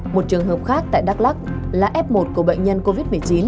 một trường hợp khác tại đắk lắc là f một của bệnh nhân covid một mươi chín